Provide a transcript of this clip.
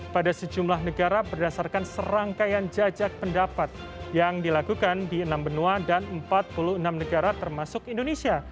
pada sejumlah negara berdasarkan serangkaian jajak pendapat yang dilakukan di enam benua dan empat puluh enam negara termasuk indonesia